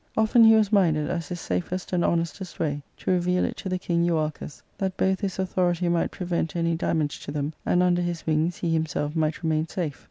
Often he was minded, as his safest and honestest way, to reveal it to the king Euarchus, that both his authority might prevent any damage to them, and under his wings he himself might remain safe.